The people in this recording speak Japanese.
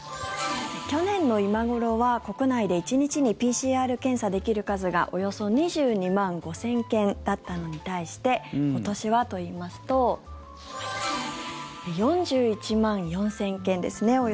去年の今頃は国内で１日にＰＣＲ検査できる数がおよそ２２万５０００件だったのに対して今年はといいますとおよそ４１万４０００件ですね。